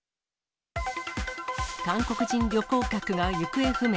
韓国人旅行客が行方不明。